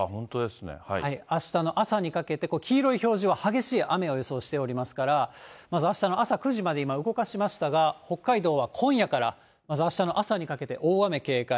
あしたの朝にかけて、黄色い表示は激しい雨を予想しておりますから、まずあしたの朝９時まで今、動かしましたが、北海道は今夜から、あしたの朝にかけて、大雨警戒。